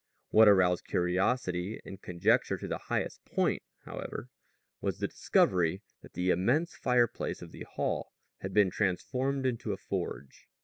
What aroused curiosity and conjecture to the highest point, however, was the discovery that the immense fireplace of the hall had been transformed into a forge.